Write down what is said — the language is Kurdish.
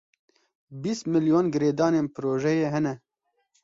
Bîst milyon girêdanên projeyê hene.